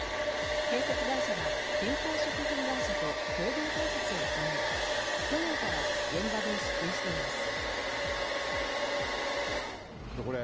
建設会社が健康食品会社と共同開発を行い、去年から現場で支給しています。